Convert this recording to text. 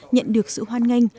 nhận được sự hoan nghênh